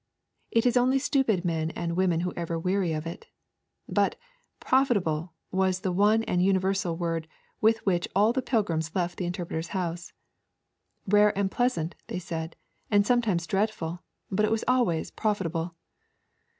It is only stupid men and women who ever weary of it. But, 'profitable' was the one and universal word with which all the pilgrims left the Interpreter's House. 'Rare and pleasant,' they said, and sometimes 'dreadful;' but it was always 'profitable.'